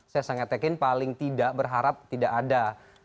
saya sangat yakin paling tidak berharap tidak ada